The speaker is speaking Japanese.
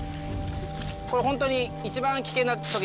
これホントに一番危険な時ですね。